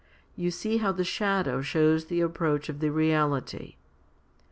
You see how the shadow shows the approach of the reality.